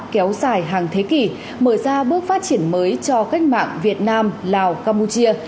kéo dài hàng thế kỷ mở ra bước phát triển mới cho cách mạng việt nam lào campuchia